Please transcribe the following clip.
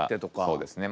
そうですね。